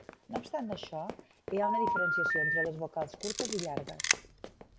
No obstant això, hi ha una diferenciació entre les vocals curtes i llargues.